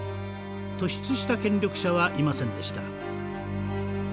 突出した権力者はいませんでした。